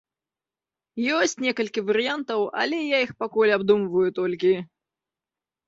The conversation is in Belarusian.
Ёсць некалькі варыянтаў, але я іх пакуль абдумваю толькі.